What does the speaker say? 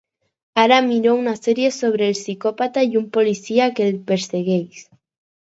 Ara miro una sèrie sobre un psicòpata i un policia que el persegueix.